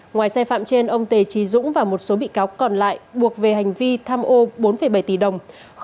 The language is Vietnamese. ngoài sai phạm trên ông tề trí dũng và một số bị cáo còn lại buộc về hành vi tham ô bốn bảy tỷ đồng